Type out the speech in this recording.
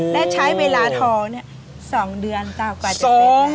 และใช้เวลาทอ๒เดือนต่อกว่าจะเป็น